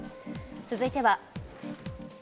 続いては。